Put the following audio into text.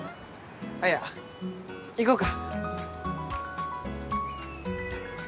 あぁいや行こうか。